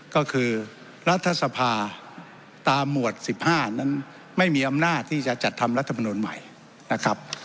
ก็คือรัฐสภาตามหมวด๑๕นั้นไม่มีอำนาจที่จะจัดทำรัฐมนุนใหม่นะครับ